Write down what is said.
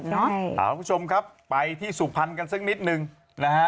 สวัสดีคุณผู้ชมครับไปที่สู่พันธ์กันซักนิดนึงนะฮะ